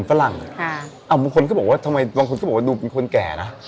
บางคนก็บอกว่าทำไมดูเป็นคนแก่นะ